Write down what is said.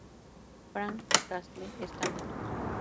Frank Castle está muerto.